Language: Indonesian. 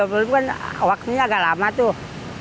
lainnya dua puluh ribu kan waktunya agak lama tuh